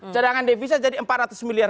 cadangan devisa jadi empat ratus miliar